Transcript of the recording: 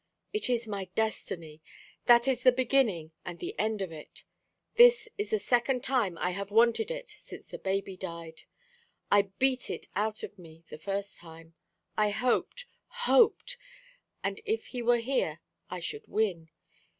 It is my destiny: that is the beginning and the end of it. This is the second time I have wanted it since the baby died. I beat it out of me the first time. I hoped hoped and if he were here I should win.